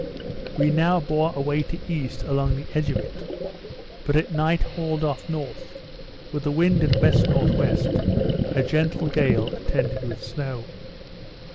We now bore away to east along the edge of it; but at night hauled off north, with the wind at W.N.W., a gentle gale, attended with snow.